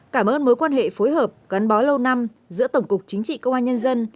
cảm ơn mối quan hệ phối hợp gắn bó lâu năm giữa tổng cục chính trị công an nhân dân